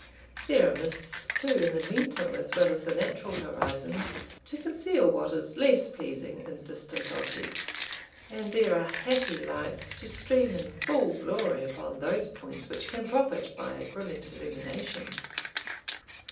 There are mists too in the mental as well as the natural horizon, to conceal what is less pleasing in distant objects, and there are happy lights, to stream in full glory upon those points which can profit by brilliant illumination.